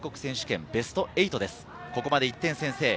ここまで１点先制。